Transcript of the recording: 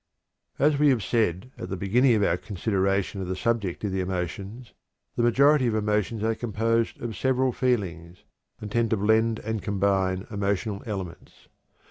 As we have said at the beginning of our consideration of the subject of the emotions, the majority of emotions are composed of several feelings, and tend to blend and combine emotional elements.